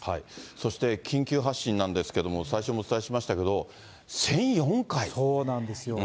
そして緊急発進なんですけれども、最初にもお伝えしましたけれども、そうなんですよ。